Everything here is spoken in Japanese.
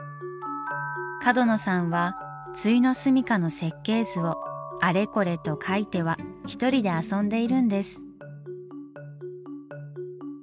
角野さんは終の住みかの設計図をあれこれと描いては一人で遊んでいるんです。